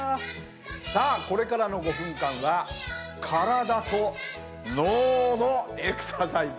さあこれからの５分間は体と脳のエクササイズ。